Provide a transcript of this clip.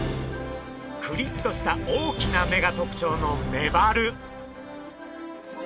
クリッとした大きな目が特徴のメバル。